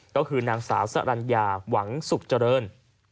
ก็คือนางสาวสรรญาหวังสุขเจริญ